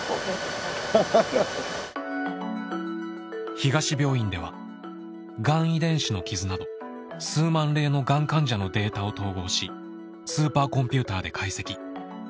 東病院ではがん遺伝子の傷など数万例のがん患者のデータを統合しスーパーコンピューターで解析。